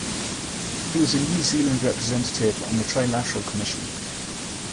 He was a New Zealand Representative on the Trilateral Commission.